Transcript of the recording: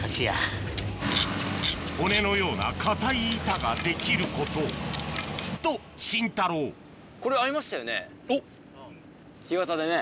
骨のような硬い板ができることとシンタロー干潟でね。